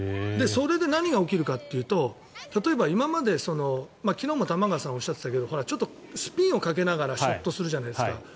それで何が起きるかというと例えば今まで昨日も玉川さんがおっしゃっていたけどちょっとスピンをかけながらショットするじゃないですか。